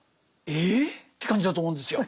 え？って感じだと思うんですよ。